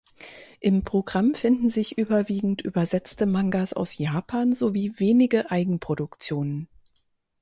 Im Programm finden sich überwiegend übersetzte Mangas aus Japan sowie wenige Eigenproduktionen.